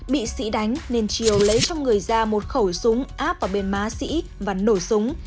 bị sĩ đánh nên triều lấy trong người ra một khẩu súng áp vào bên má sĩ và nổ súng